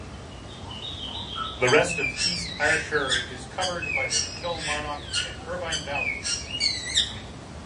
The rest of East Ayrshire is covered by the Kilmarnock and Irvine Valley constituency.